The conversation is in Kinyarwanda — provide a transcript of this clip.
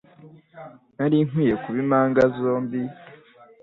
Nari nkwiye kuba impanga zombi